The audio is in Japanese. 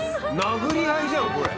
殴り合いじゃんこれ。